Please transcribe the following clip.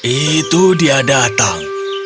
itu dia datang